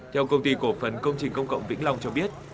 theo công ty cổ phần công trình công cộng vĩnh long cho biết